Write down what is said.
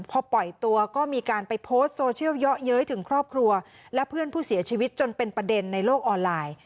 พอปล่อยตัวก็มีการไปโพสต์โซเชียลเยอะเย้ยถึงครอบครัวและเพื่อนผู้เสียชีวิตจนเป็นประเด็นในโลกออนไลน์